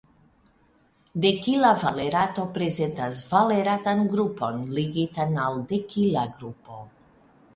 Dekila valerato prezentas valeratan grupon ligitan al dekila grupo.